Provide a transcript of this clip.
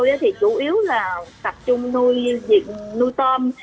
chúng tôi thì chủ yếu là tập trung nuôi việt nuôi tôm